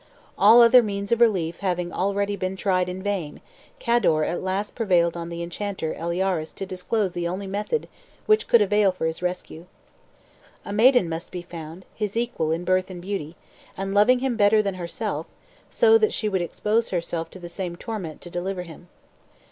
All other means of relief having already been tried in vain, Cador at last prevailed on the enchanter Eliaures to disclose the only method which could avail for his rescue. A maiden must be found, his equal in birth and beauty, and loving him better than herself, so that she would expose herself to the same torment to deliver him.